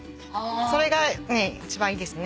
それが一番いいですね。